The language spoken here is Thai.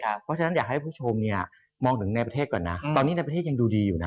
เพราะฉะนั้นอยากให้ผู้ชมเนี่ยมองถึงในประเทศก่อนนะตอนนี้ในประเทศยังดูดีอยู่นะ